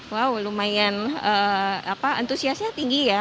wow lumayan antusiasnya tinggi ya